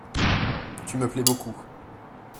Tu me plais beaucoup !…